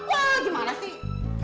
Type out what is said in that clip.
wah gimana sih